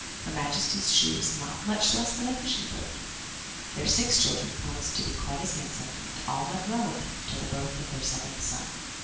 Her majesty's shoe was not much less than a fishing boat; their six children promised to be quite as handsome, and all went well with them till the birth of their seventh scai.